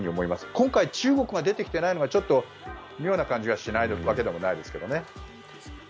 今回、中国が出てきてないのがちょっと妙な感じがしないわけでもないですけどね。